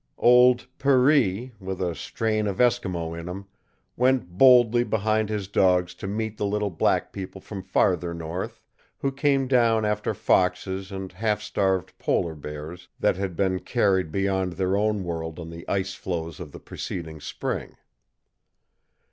Old Per ee, with a strain of Eskimo in him, went boldly behind his dogs to meet the little black people from farther north, who came down after foxes and half starved polar bears that had been carried beyond their own world on the ice floes of the preceding spring.